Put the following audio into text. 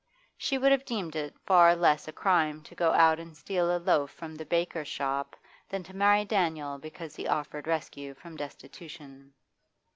She would have deemed it far less a crime to go out and steal a loaf from the baker's shop than to marry Daniel because he offered rescue from destitution.